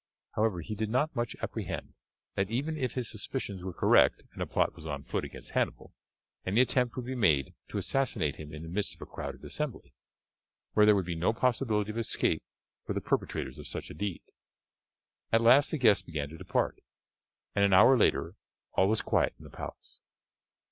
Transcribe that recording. However, he did not much apprehend, that even if his suspicions were correct and a plot was on foot against Hannibal, any attempt would be made to assassinate him in the midst of a crowded assembly, where there would be no possibility of escape for the perpetrators of such a deed. At last the guests began to depart, and an hour later all was quiet in the palace.